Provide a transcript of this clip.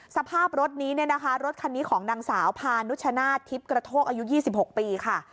สภาพรถนี้รถคันนี้ของนางสาวพานุชนาธิพย์กระโทกอายุ๒๖ปีค่ะ